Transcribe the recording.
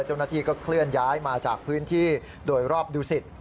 เจ้าหน้าที่ก็เคลื่อนย้ายมาจากพื้นที่โดยรอบดูสิต